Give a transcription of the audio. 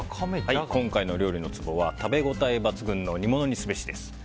今回の料理のツボは食べ応え抜群の煮物にすべしです。